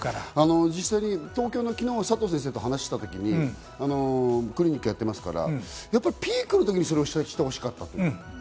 実際に東京都の、昨日、佐藤先生と話したときに、クリニックやってますから、ピークの時にそれをしてほしかったと。